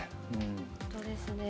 本当ですね。